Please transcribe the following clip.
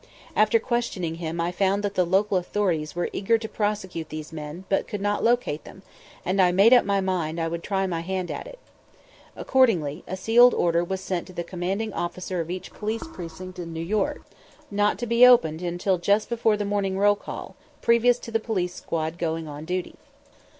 After questioning him I found that the local authorities were eager to prosecute these men, but could not locate them; and I made up my mind I would try my hand at it. Accordingly, a sealed order was sent to the commanding officer of each police precinct in New York, not to be opened until just before the morning roll call, previous to the police squad going on duty.